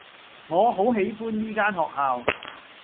我好喜歡呢間學校